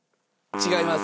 違います。